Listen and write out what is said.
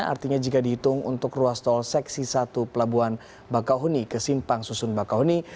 artinya jika dihitung untuk ruas tol seksi satu pelabuhan bakau huni ke simpang susun bakau huni